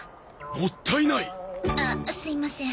もったいない？あっすいません。